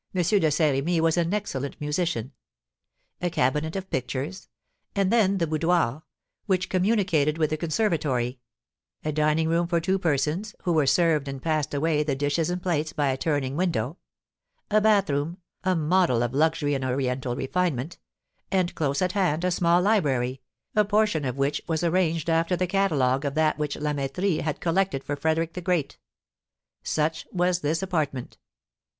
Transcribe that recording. de Saint Remy was an excellent musician); a cabinet of pictures; and then the boudoir, which communicated with the conservatory; a dining room for two persons, who were served and passed away the dishes and plates by a turning window; a bath room, a model of luxury and Oriental refinement; and, close at hand, a small library, a portion of which was arranged after the catalogue of that which La Mettrie had collected for Frederic the Great. Such was this apartment.